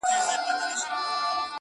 • هم دا سپی بولم جدا له نورو سپیانو,